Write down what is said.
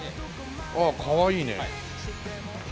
ああかわいいね。